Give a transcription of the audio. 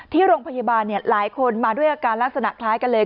ที่โรงพยาบาลหลายคนมาด้วยอาการลักษณะคล้ายกันเลย